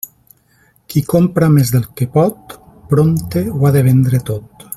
Qui compra més del que pot, prompte ho ha de vendre tot.